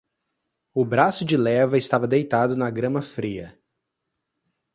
O braço de leva estava deitado na grama fria.